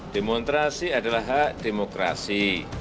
demonstrasi adalah hak demokrasi